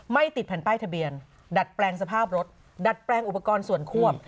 ติดแผ่นป้ายทะเบียนดัดแปลงสภาพรถดัดแปลงอุปกรณ์ส่วนควบ